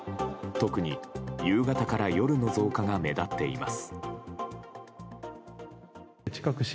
特に夕方から夜の増加が目立っています。